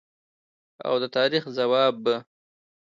او د تاریخ ځواب به